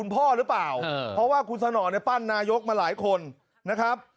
พ่อหรือเปล่าเพราะว่าคุณสนอเนี่ยปั้นนายกมาหลายคนนะครับ